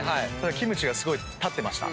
キムチがすごい立ってました。